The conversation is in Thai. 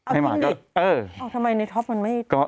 ทำไมในท็อปมันไม่